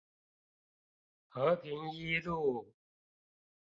和平一路